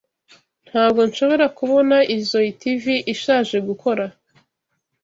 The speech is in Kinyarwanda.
Ntabwo nshobora kubona izoi TV ishaje gukora.